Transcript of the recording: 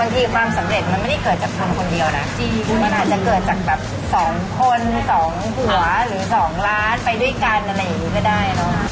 ความสำเร็จมันไม่ได้เกิดจากทำคนเดียวนะมันอาจจะเกิดจากแบบ๒คน๒หัวหรือ๒ล้านไปด้วยกันอะไรอย่างนี้ก็ได้เนอะ